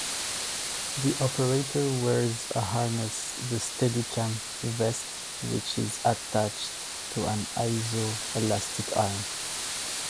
The operator wears a harness-the Steadicam "vest"-which is attached to an iso-elastic arm.